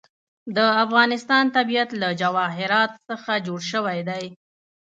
د افغانستان طبیعت له جواهرات څخه جوړ شوی دی.